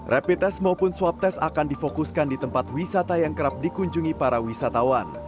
rapid test maupun swab test akan difokuskan di tempat wisata yang kerap dikunjungi para wisatawan